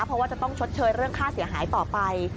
เพราะว่าจะต้องชดเชยเรื่องค่าเสียหายต่อไป